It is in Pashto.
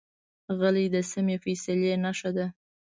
غلی، د سمې فیصلې نښه ده.